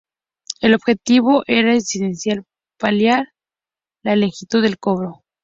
El objetivo era esencialmente paliar la lentitud del cobro.